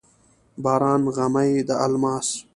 باران غمي د الماس،